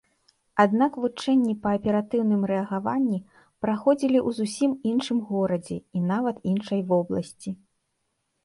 Аднак вучэнні па аператыўным рэагаванні праходзілі ў зусім іншым горадзе, і нават іншай вобласці.